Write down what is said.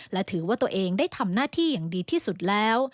และถือว่าตัวเองได้ทำหน้าที่อย่างดีที่สุดแล้ว